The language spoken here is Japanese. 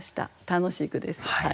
楽しい句です。